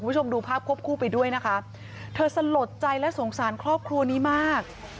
คุณผู้ชมดูภาพควบคู่ไปด้วยนะคะเธอสลดใจและสงสารครอบครัวนี้มาก